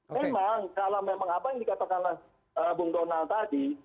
memang kalau memang apa yang dikatakanlah bung donal tadi